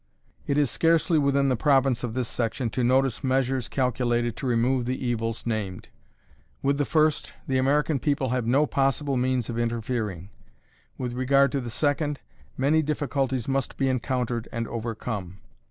It is scarcely within the province of this section to notice measures calculated to remove the evils named. With the first, the American people have no possible means of interfering. With regard to the second, many difficulties must be encountered and overcome.